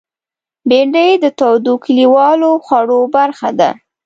بېنډۍ د تودو کلیوالو خوړو برخه ده